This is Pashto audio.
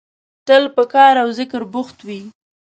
تل په کار او ذکر بوخت وي.